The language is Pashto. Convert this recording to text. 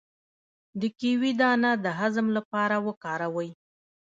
د کیوي دانه د هضم لپاره وکاروئ